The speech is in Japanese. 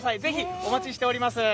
お待ちしております。